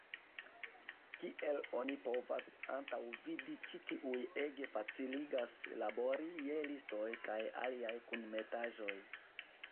Kiel oni povas antaŭvidi, ĉi tiuj ege faciligas labori je listoj kaj aliaj kunmetaĵoj.